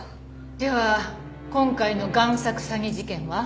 では今回の贋作詐欺事件は？